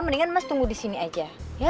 mendingan mas tunggu di sini aja